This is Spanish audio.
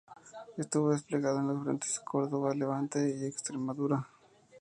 Estuvo desplegada en los frentes Córdoba, Levante y Extremadura.